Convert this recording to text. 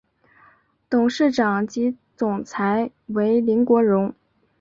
董事长及总裁为林国荣。